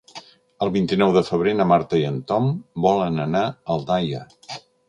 El vint-i-nou de febrer na Marta i en Tom volen anar a Aldaia.